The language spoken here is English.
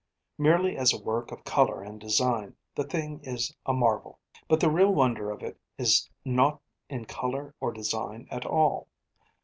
Merely as a work of colour and design, the thing is a marvel. But the real wonder of it is not in colour or design at all.